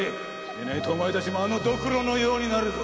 でないとお前たちもあのドクロのようになるぞ！